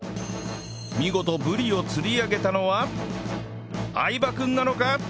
見事ブリを釣り上げたのは相葉君なのか？